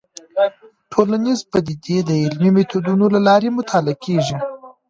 ټولنيزې پديدې د علمي ميتودونو له لارې مطالعه کيږي.